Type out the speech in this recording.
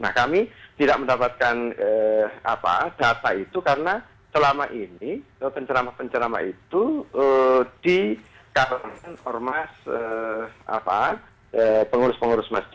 nah kami tidak mendapatkan data itu karena selama ini penceramah penceramah itu di kalangan ormas pengurus pengurus masjid